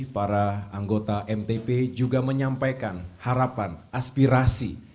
para anggota mtp juga menyampaikan harapan aspirasi